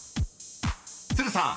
［都留さん